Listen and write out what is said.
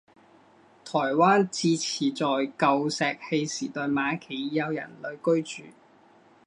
台湾至迟在旧石器时代晚期已有人类居住。